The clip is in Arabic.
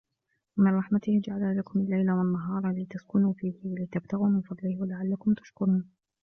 وَمِن رَحمَتِهِ جَعَلَ لَكُمُ اللَّيلَ وَالنَّهارَ لِتَسكُنوا فيهِ وَلِتَبتَغوا مِن فَضلِهِ وَلَعَلَّكُم تَشكُرونَ